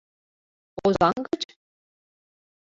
Озаҥ гыч?